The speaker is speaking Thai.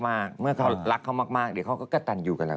เมื่อเขารักเขามากเดี๋ยวเขาก็กระตันอยู่กับเรา